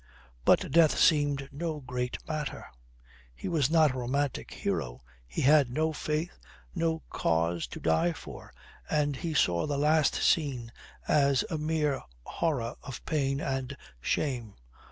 But death seemed no great matter. He was not a romantic hero, he had no faith, no cause to die for, and he saw the last scene as a mere horror of pain and shame.